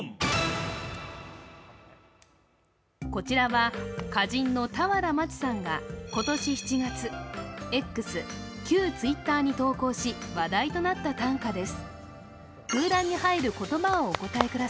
こちらは歌人の俵万智参賀、今年７月、Ｘ＝旧Ｔｗｉｔｔｅｒに投稿し、話題となった短歌です。